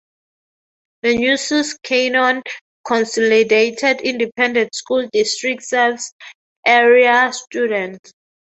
The Nueces Canyon Consolidated Independent School District serves area students.